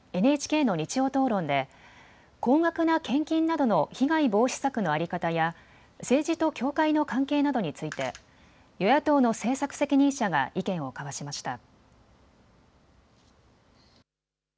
ＮＨＫの日曜討論で高額な献金などの被害防止策の在り方や政治と教会の関係などについて与野党の政策責任者が意見を交わしました。